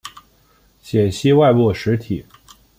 解析外部实体。